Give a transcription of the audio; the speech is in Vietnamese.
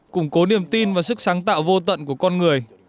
bố niềm tin và sức sáng tạo vô tận của con người